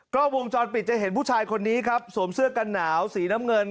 ก็วงจรปิดจะเห็นผู้ชายคนนี้ครับสวมเสื้อกันหนาวสีน้ำเงิน